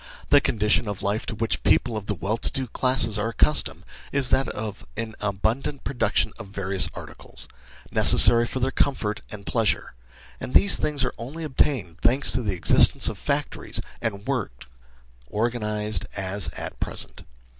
The condition of life to which people of the 48 ECONOMISTS AFFIRM WHAT IS FALSE 49 well to do classes are accustomed, is that of an abundant production of various articles, necessary for their comfort and pleasure ; and these things are only obtained thanks to the existence of factories and works organised as at present.